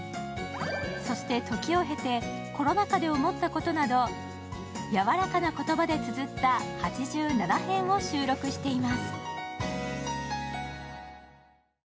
そして、時を経てコロナ禍で思ったことなどやわらかな言葉でつづった８７編を収録しています。